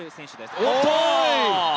おっと。